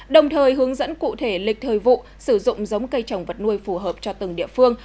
đồng thời hướng dẫn cụ thể lịch thời vụ sử dụng giống cây trồng vật nuôi phù hợp cho từng địa phương